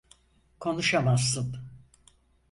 Konuşamazsın.